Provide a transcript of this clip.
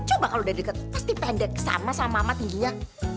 coba kalau udah deket pasti pendek sama sama mama tingginya